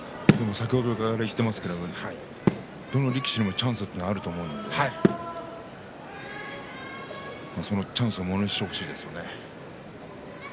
先ほどから言っていますが、どの力士にもチャンスがあると思うのでそのチャンスをものにしてほしいですね。